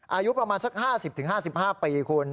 อายุประมาณสัก๕๐๕๕ปีคุณ